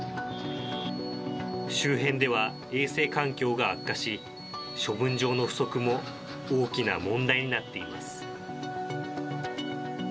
周辺では衛生環境が悪化し処分場の不足も大きな問題になっています